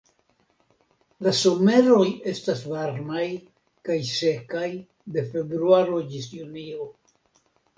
La someroj estas varmaj kaj sekaj de februaro ĝis junio.